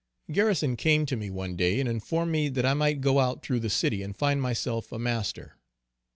Garrison came to me one day and informed me that I might go out through the city and find myself a master.